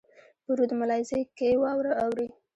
په رود ملازۍ کښي واوره اوري.